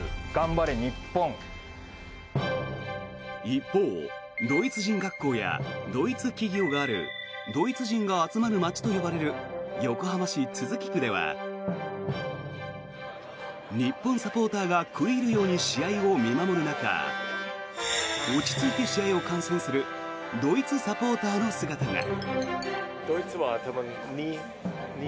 一方、ドイツ人学校やドイツ企業があるドイツ人が集まる街と呼ばれる横浜市都筑区では日本サポーターが食い入るように試合を見守る中落ち着いて試合を観戦するドイツサポーターの姿が。